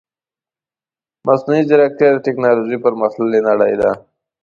مصنوعي ځيرکتيا د تکنالوژي پرمختللې نړۍ ده .